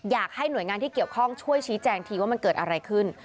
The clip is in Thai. อยากให้หน่วยงานที่เกี่ยวข้องช่วยชี้แจงทีว่ามันเกิดอะไรขึ้น